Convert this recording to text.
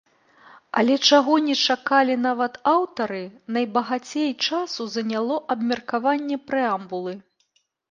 Але, чаго не чакалі нават аўтары, найбагацей часу заняло абмеркаванне прэамбулы.